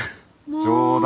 冗談。